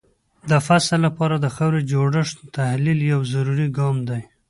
د فصل لپاره د خاورې د جوړښت تحلیل یو ضروري ګام دی.